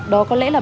đó có lẽ là